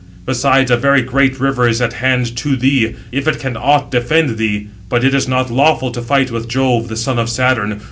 Besides, a very great River is at hand to thee, if it can aught defend thee; but it is not lawful to fight with Jove, the son of Saturn.